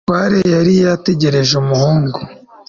umutware yari yategereje umuhungu